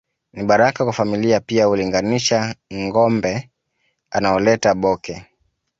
Ni baraka kwa familia pia hulinganisha ngombe anaoleta Bhoke